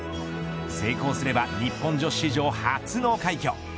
成功すれば日本女子史上初の快挙。